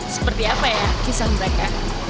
seperti apa ya kisah mereka